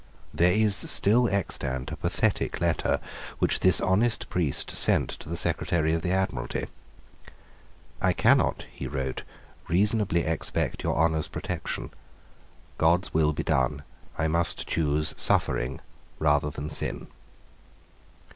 There is still extant a pathetic letter which this honest priest sent to the Secretary of the Admiralty. "I cannot," he wrote, "reasonably expect your Honour's protection. God's will be done. I must choose suffering rather than sin."